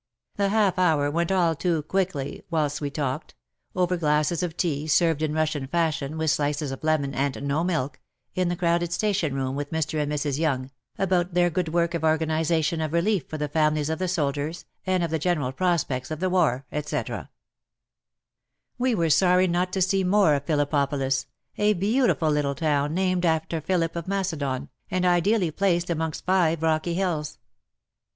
The half hour went all too quickly whilst we talked — over glasses of tea, served in Russian fashion, with slices of lemon and no milk — in the crowded station room with Mr. and Mrs. Young, about their good work of organization of relief for the families of the soldiers, and of the general prospects of the war, etc. We were sorry not to see more of Phillip popolis, a beautiful little town named after Philip of Macedon, and ideally placed amongst five rocky hills.